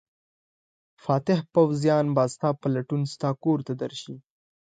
فاتح پوځیان به ستا په لټون ستا کور ته درشي.